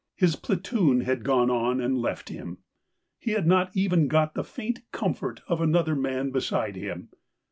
His platoon had gone on and left him : he had not even got the faint comfort of another man beside him.